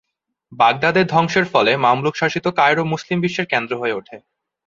বাগদাদের ধ্বংসের ফলে মামলুক শাসিত কায়রো মুসলিম বিশ্বের কেন্দ্র হয়ে উঠে।